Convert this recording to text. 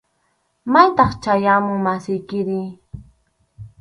¿Maytaq chay amu masiykiri?